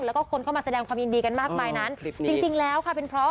แล้วก็คนเข้ามาแสดงความยินดีกันมากมายนั้น